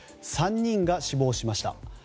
３人が死亡しました。